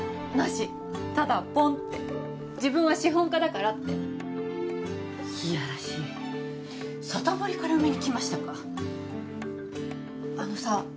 なしただポンって自分は資本家だからっていやらしい外堀から埋めにきましたかあのさ